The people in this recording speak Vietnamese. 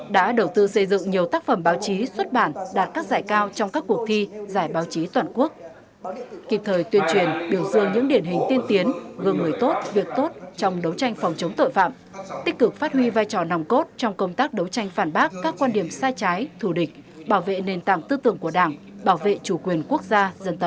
đảng đã đầu tư xây dựng nhiều tác phẩm báo chí xuất bản đạt các giải cao trong các cuộc thi giải báo chí toàn quốc kịp thời tuyên truyền biểu dương những điển hình tiên tiến gương người tốt việc tốt trong đấu tranh phòng chống tội phạm tích cực phát huy vai trò nòng cốt trong công tác đấu tranh phản bác các quan điểm sai trái thù địch bảo vệ nền tảng tư tưởng của đảng bảo vệ chủ quyền quốc gia dân tộc